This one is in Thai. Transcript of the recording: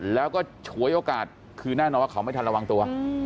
แล้วก็ฉวยโอกาสคือแน่นอนว่าเขาไม่ทันระวังตัว